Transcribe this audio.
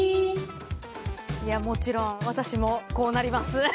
もちろん私もこうなります。